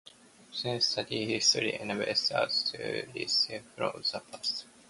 Firstly, studying history enables us to learn from the past.